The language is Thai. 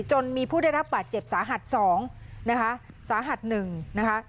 จนมีผู้ได้รับบาดเจ็บสาหัสสองนะคะสาหัสหนึ่งนะคะ